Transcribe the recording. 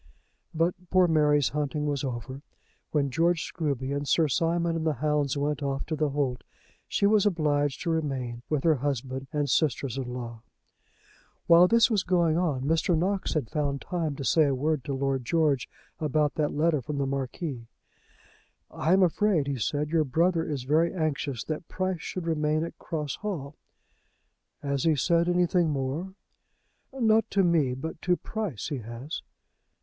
But poor Mary's hunting was over. When George Scruby and Sir Simon and the hounds went off to the holt, she was obliged to remain with her husband and sisters in law. While this was going on Mr. Knox had found time to say a word to Lord George about that letter from the Marquis. "I am afraid," he said, "your brother is very anxious that Price should remain at Cross Hall." "Has he said anything more?" "Not to me; but to Price he has."